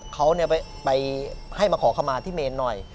เขาไปให้มาขอขมาที่เมนหน่อย